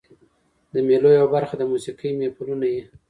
د مېلو یوه برخه د موسیقۍ محفلونه يي.